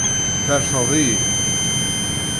Terfed-iyi.